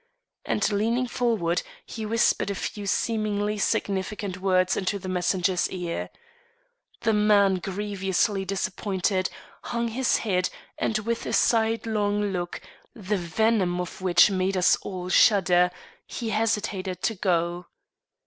And, leaning forward, he whispered a few seemingly significant words into the messenger's ear. The man, grievously disappointed, hung his head, and with a sidelong look, the venom of which made us all shudder, he hesitated to go.